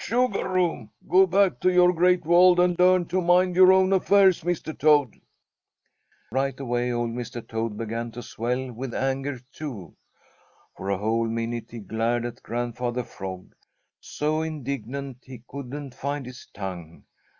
"Chugarum! Go back to your Great World and learn to mind your own affairs, Mr. Toad." Right away old Mr. Toad began to swell with anger too. For a whole minute he glared at Grandfather Frog, so indignant he couldn't find his tongue.